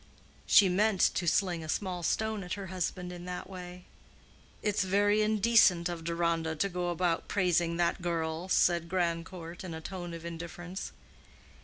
She meant to sling a small stone at her husband in that way. "It's very indecent of Deronda to go about praising that girl," said Grandcourt in a tone of indifference.